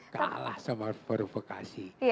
kalah sama provokasi